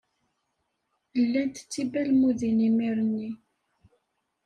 Llant d tibalmudin imir-nni.